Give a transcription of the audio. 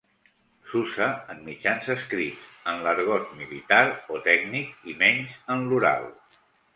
S'usa en mitjans escrits, en l'argot militar o tècnic i menys en l'oral.